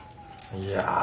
いや。